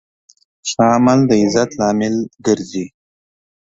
ښه عمل د عزت لامل ګرځي.